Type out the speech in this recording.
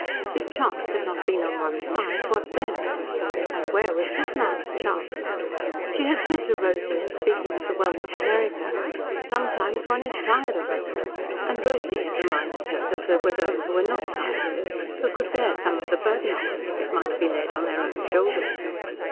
If chance had not been on one's side, what then? And where was this man's chance? She had said to Rosy, in speaking of the wealth of America, "Sometimes one is tired of it." And Rosy had reminded her that there were those who were not tired of it, who could bear some of the burden of it, if it might be laid on their own shoulders.